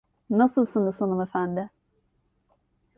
Nasılsınız hanımefendi?